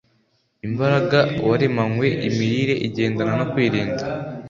imbaraga waremanywe. Imirire igendana no kwirinda